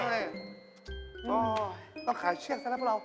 อ๋อต้องขายเชือกซะนะพวกเรา